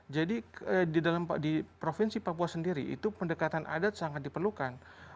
jadi di provinsi papua sendiri itu pendekatan adat sangat diperlukan